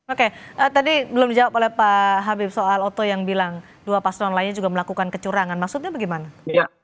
oke tadi belum dijawab oleh pak habib soal oto yang bilang dua paslon lainnya juga melakukan kecurangan maksudnya bagaimana